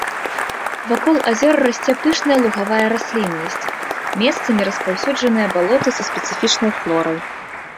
Вакол азёр расце пышная лугавая расліннасць, месцамі распаўсюджаныя балоты са спецыфічнай флорай.